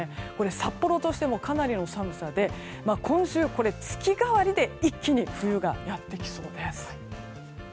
札幌としてもかなりの寒さで今週、月替わりで一気に冬がやってきそうです。